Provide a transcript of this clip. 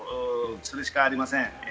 それしかありません。